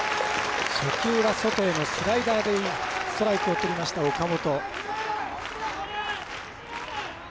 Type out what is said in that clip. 初球は外へのスライダーでストライクをとりました、岡本。